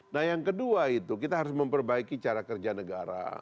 nah yang kedua itu kita harus memperbaiki cara kerja negara